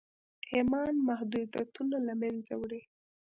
ايمان محدوديتونه له منځه وړي.